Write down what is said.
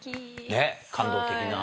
ねっ感動的な。